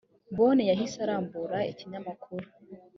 bone yahise arambura ikinyamakuru